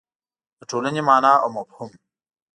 د ټولنې مانا او مفهوم